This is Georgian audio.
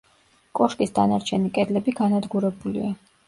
კოშკის დანარჩენი კედლები განადგურებულია.